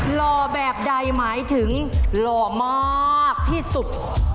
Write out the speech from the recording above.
หล่อแบบใดหมายถึงหล่อมากที่สุด